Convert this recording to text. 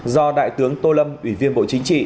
do đại tướng tô lâm ủy viên bộ chính trị